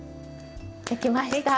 できました！